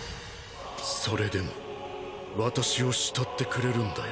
それでも私を慕ってくれるんだよ。